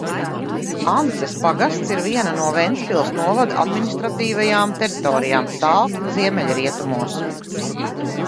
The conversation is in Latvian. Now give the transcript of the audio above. Ances pagasts ir viena no Ventspils novada administratīvajām teritorijām tā ziemeļrietumos.